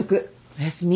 おやすみ。